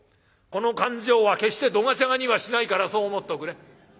この勘定は決してどがちゃがにはしないからそう思っておくれ。